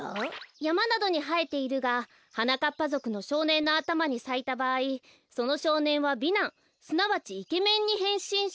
やまなどにはえているがはなかっぱぞくのしょうねんのあたまにさいたばあいそのしょうねんは美男すなわちイケメンにへんしんし。